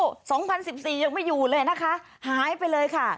สองพันสิบสี่ยังไม่อยู่เลยนะคะหายไปเลยค่ะ